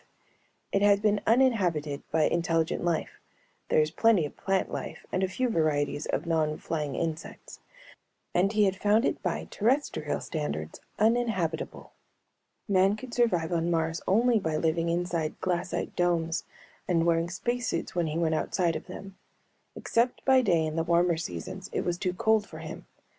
It had been uninhabited by intelligent life (there is plenty of plant life and a few varieties of non flying insects) and he had found it by terrestrial standards uninhabitable. Man could survive on Mars only by living inside glassite domes and wearing space suits when he went outside of them. Except by day in the warmer seasons it was too cold for him.